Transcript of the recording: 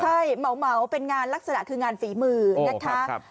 ใช่เหมาะเป็นงานลักษณะคืองานฝีมือนะคะโอ้ครับครับ